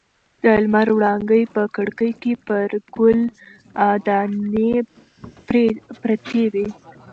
د لمر وړانګې په کړکۍ کې پر ګل دانۍ پرتې وې.